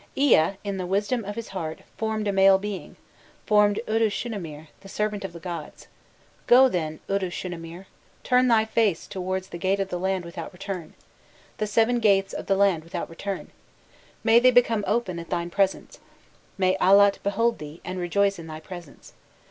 "Ea, in the wisdom of his heart, formed a male being, formed Uddushunamir, the servant of the gods: 'Go then, Uddushunamir, turn thy face towards the gate of the land without return; the seven gates of the land without return may they become open at thy presence may Allat behold thee, and rejoice in thy presence!